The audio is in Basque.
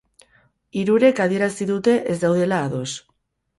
Hirurek adierazi dute ez daudela ados.